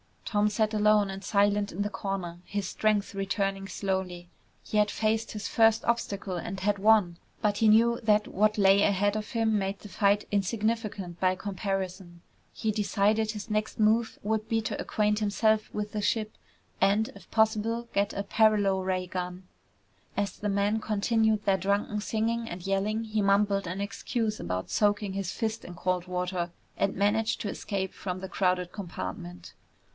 Tom sat alone and silent in the corner, his strength returning slowly. He had faced his first obstacle and had won. But he knew that what lay ahead of him made the fight insignificant by comparison. He decided his next move would be to acquaint himself with the ship and, if possible, get a paralo ray gun. As the men continued their drunken singing and yelling he mumbled an excuse about soaking his fist in cold water and managed to escape from the crowded compartment.